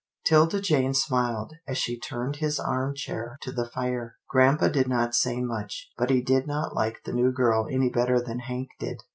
'Tilda Jane smiled, as she turned his arm chair to the fire. Grampa did not say much, but he did not like the new girl any better than Hank did.